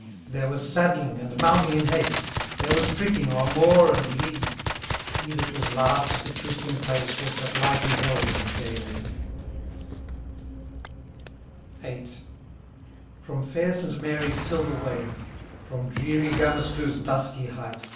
There was saddling and mounting in haste. There was pricking o'er moor and lea ; He that was last at the trysting place Was but lightly held of his gay ladye.* VIII. From fair St. Mary's silver wave, From dreary Gamescleuch's dusky height.